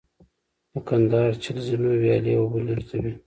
د کندهار چل زینو ویالې اوبه لېږدوي